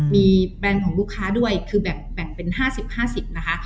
มีแบรนด์ของลูกค้าด้วยคือแบ่งเป็น๕๐๕๐นะคะ